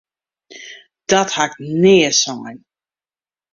Dat ha ik nea sein!